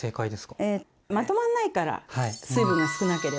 まとまんないから水分が少なければ。